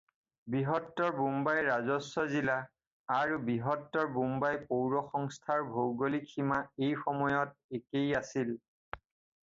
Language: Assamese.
বৃহত্তৰ বোম্বাই ৰাজস্ব জিলা আৰু বৃহত্তৰ বোম্বাই পৌৰসংস্থাৰ ভৌগোলিক সীমা এই সময়ত একেই আছিল।